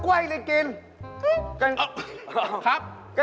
เปิดมันคล้า